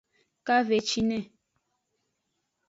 Kavecine.